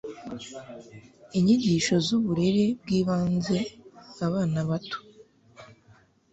Inyigisho zuburere bwibanze abana bato